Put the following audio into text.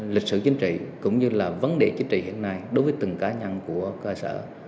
lịch sử chính trị cũng như là vấn đề chính trị hiện nay đối với từng cá nhân của cơ sở